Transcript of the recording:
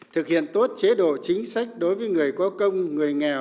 thực hiện tốt chế độ chính sách đối với người có công người nghèo